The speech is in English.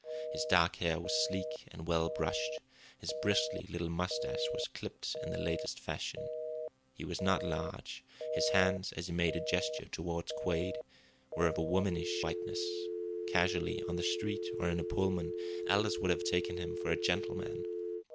His dark hair was sleek and well brushed; his bristly little moustache was clipped in the latest fashion. He was not large. His hands, as he made a gesture toward Quade, were of womanish whiteness. Casually, on the street or in a Pullman, Aldous would have taken him for a gentleman.